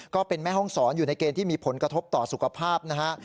ก็เป็นแม่ห้องศรอยู่ในเกณฑ์ที่มีผลกระทบต่อสุขภาพนะฮะ